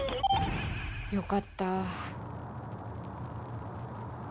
よかった。